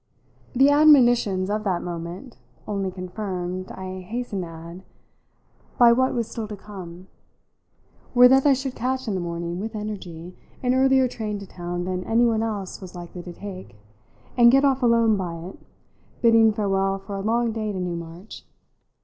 The admonitions of that moment only confirmed, I hasten to add, by what was still to come were that I should catch in the morning, with energy, an earlier train to town than anyone else was likely to take, and get off alone by it, bidding farewell for a long day to Newmarch.